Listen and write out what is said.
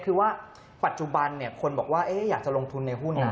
คือว่าปัจจุบันคนบอกว่าอยากจะลงทุนในหุ้น